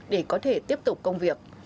để có thể tiếp tục công việc